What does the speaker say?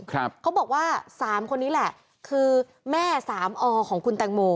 เขาบอกว่าสามคนนี้แหละคือแม่สามอของคุณแตงโม